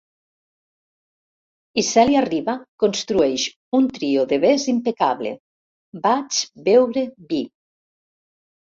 I Cèlia Riba construeix un trio de ves impecable: "Vaig veure vi".